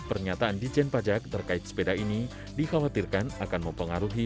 pernyataan dijen pajak terkait sepeda ini dikhawatirkan akan mempengaruhi